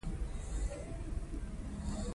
متحده ایالاتو برابري زياته وښيي.